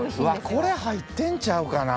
これ入ってんちゃうかなぁ。